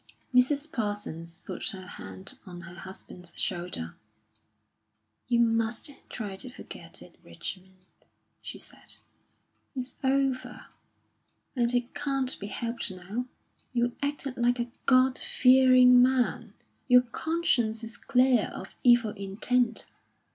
Mrs. Parsons put her hand on her husband's shoulder. "You must try to forget it, Richmond," she said. "It's over, and it can't be helped now. You acted like a God fearing man; your conscience is clear of evil intent.